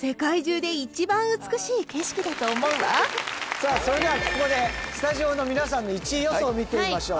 さあそれではここでスタジオの皆さんの１位予想を見てみましょう。